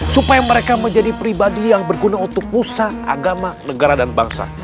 supaya mereka menjadi pribadi yang berguna untuk usaha agama negara dan bangsa